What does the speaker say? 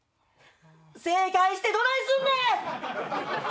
正解してどないすんねん！